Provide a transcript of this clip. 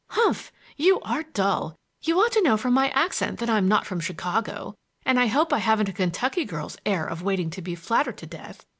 "Humph, you are dull! You ought to know from my accent that I'm not from Chicago. And I hope I haven't a Kentucky girl's air of waiting to be flattered to death.